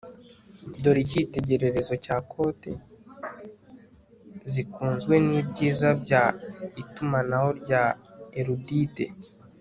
Dore icyitegererezo cya cote zikunzwe nibyiza bya itumanaho rya erudite